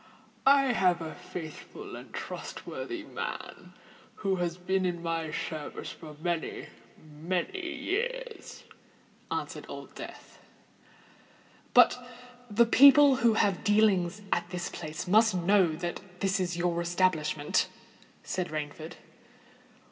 "I have a faithful and trustworthy man who has been in my service for many—many years," answered Old Death. "But the people who have dealings at this place must know that it is your establishment?" said Rainford.